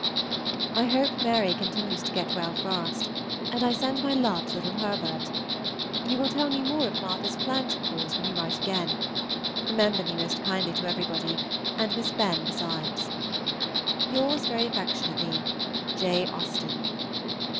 I hope Mary continues to get well fast, and I send my love to little Herbert. You will tell me more of Martha's plans, of course, when you write again. Remember me most kindly to everybody, and Miss Benn besides. Yours very affectionately, J. AUSTEN.